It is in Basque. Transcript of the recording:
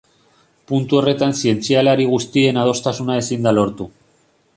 Puntu horretan zientzialari guztien adostasuna ezin da lortu.